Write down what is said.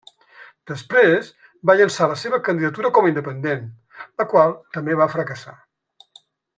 Després, va llançar la seva candidatura com a independent, la qual també va fracassar.